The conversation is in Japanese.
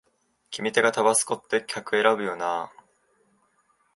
決め手がタバスコって客選ぶよなあ